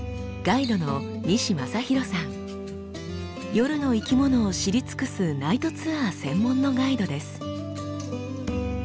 夜の生きものを知り尽くすナイトツアー専門のガイドです。